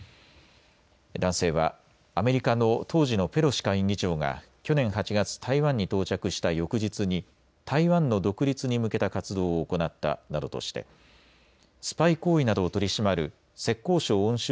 男性はアメリカの当時のペロシ下院議長が去年８月、台湾に到着した翌日に台湾の独立に向けた活動を行ったなどとしてスパイ行為などを取り締まる浙江省温州